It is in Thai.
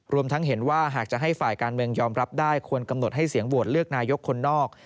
รวมทั้งเห็นว่าหากจะให้ฝ่ายการเมืองยอมรับได้ควรกำหนดให้เสียงโหวตเลือกนายกคนนอก